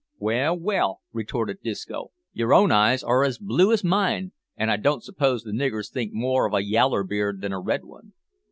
"Well, well," retorted Disco, "your own eyes are as blue as mine, an' I don't suppose the niggers think more of a yaller beard than a red one."